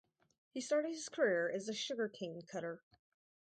He started his career as a sugar cane cutter.